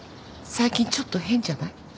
最近ちょっと変じゃない？